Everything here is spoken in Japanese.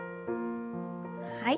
はい。